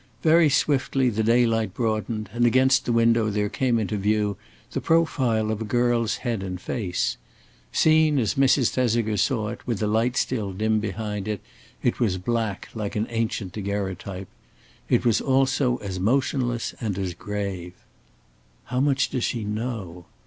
Very swiftly the daylight broadened, and against the window there came into view the profile of a girl's head and face. Seen as Mrs. Thesiger saw it, with the light still dim behind it, it was black like an ancient daguerreotype. It was also as motionless and as grave. "How much does she know?"